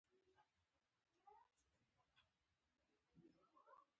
د بېوزلو هېوادونو له وسې پورته خبره ده.